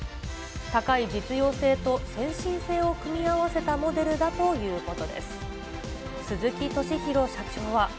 高い実用性と先進性を組み合わせたモデルだということです。